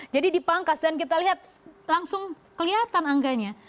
jadi dipangkas dan kita lihat langsung kelihatan anggarannya